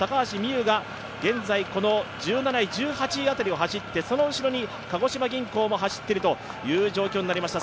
夢が１７位、１８位辺りを走って、その後ろに鹿児島銀行も走っているという状況になりました。